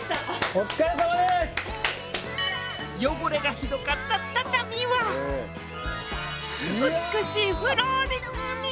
汚れがひどかった畳は美しいフローリングに。